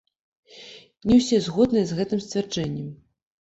Не ўсе згодныя з гэтым сцвярджэннем.